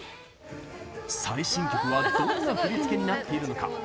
最新曲はどんな振り付けになっているのか。